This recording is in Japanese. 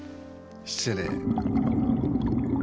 失礼。